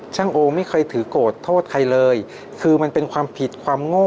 โอไม่เคยถือโกรธโทษใครเลยคือมันเป็นความผิดความโง่